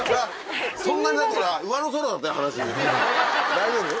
大丈夫？